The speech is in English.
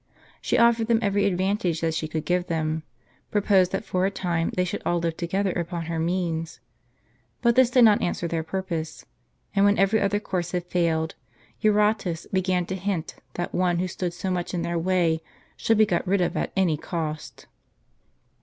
She offered them every advantage that she could give them ; proposed that for a time they should all live together upon her means. But this did not answer their pur pose ; and when every other course had failed, Eurotas began to hint, that one who stood so much in their way should be got rid of at any cost.